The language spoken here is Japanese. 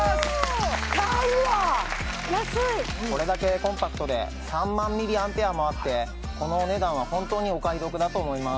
買うわ安いこれだけコンパクトで３万ミリアンペアもあってこのお値段は本当にお買い得だと思います